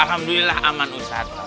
alhamdulillah aman ustadz